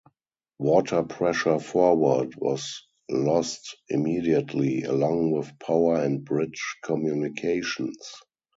Water pressure forward was lost immediately, along with power and bridge communications.